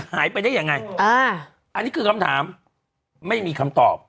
หายไปได้ยังไงอ่าอันนี้คือคำถามไม่มีคำตอบ